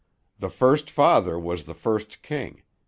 The first father was the first king...